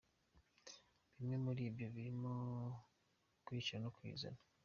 Bimwe muri byo birimo kwishyira no kwizana.